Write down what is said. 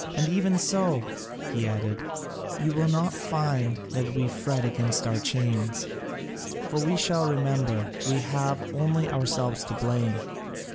And even so," he added, "you will not find that we fret against our chains, for we shall remember we have only ourselves to blame.